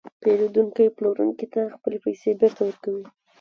پېرودونکی پلورونکي ته خپلې پیسې بېرته ورکوي